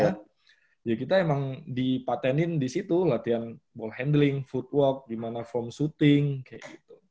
jadi kita emang dipatenin disitu latihan ball handling footwork gimana form shooting kayak gitu